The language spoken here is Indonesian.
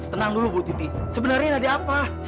tenang dulu bu titi sebenarnya ada apa